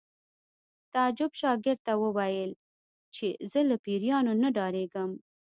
تعجب شاګرد ته وویل چې زه له پیریانو نه ډارېږم